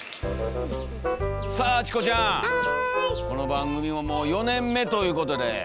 この番組ももう４年目ということで。